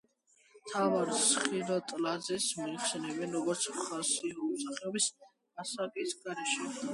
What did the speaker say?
თამარ სხირტლაძეს მოიხსენიებენ როგორც „მსახიობი ასაკის გარეშე“.